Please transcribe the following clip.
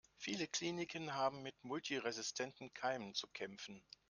Viele Kliniken haben mit multiresistenten Keimen zu kämpfen.